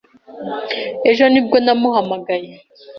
Ejo ni bwo namuhamagaye.